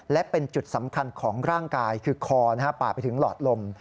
และเป็นจุดสำคัญของร่างกายคือคอป่าไปถึงหลอดลม